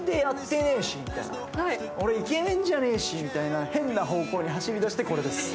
俺イケメンじゃねぇしみたいな変な方向に走りだしてこれです。